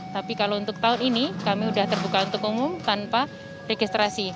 tapi kalau untuk tahun ini kami sudah terbuka untuk umum tanpa registrasi